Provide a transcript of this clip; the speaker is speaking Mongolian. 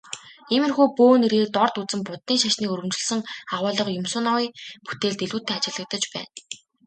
Иймэрхүү бөө нэрийг дорд үзэн Буддын шашныг өргөмжилсөн агуулга Юмсуновын бүтээлд илүүтэй ажиглагдаж байна.